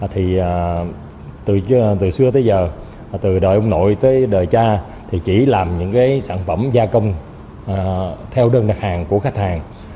thì từ xưa tới giờ từ đời ông nội tới đời cha thì chỉ làm những cái sản phẩm gia công theo đơn đặt hàng của khách hàng